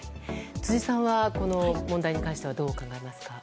辻さんはこの問題に関してはどう考えますか。